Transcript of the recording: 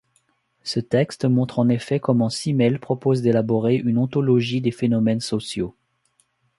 Ce texte montre en effet comment Simmel propose d’élaborer une ontologie des phénomènes sociaux.